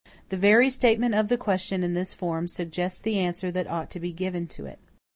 The very statement of the question, in this form, suggests the answer that ought to be given to it.